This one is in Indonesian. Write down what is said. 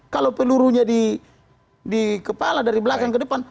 kalau pelurunya di kepala dari belakang ke depan